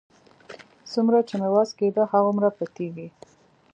څومره چې مې وس کېده، هغومره په تېزۍ.